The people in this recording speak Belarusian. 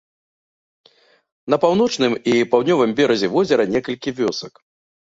На паўночным і паўднёвым беразе возера некалькі вёсак.